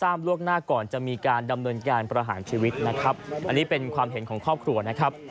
ทราบลวกหน้าก่อนจะมีการดำเนินการประหารชีวิตนะครับ